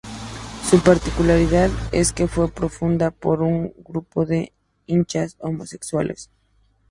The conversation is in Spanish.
Su particularidad es que fue fundada por un grupo de hinchas homosexuales.